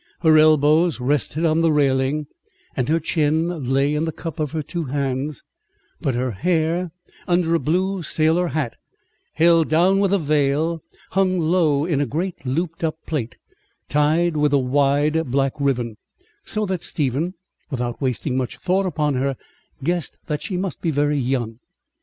Her elbows rested on the railing, and her chin lay in the cup of her two hands; but her hair, under a blue sailor hat held down with a veil, hung low in a great looped up plait, tied with a wide black ribbon, so that Stephen, without wasting much thought upon her, guessed that she must be very young.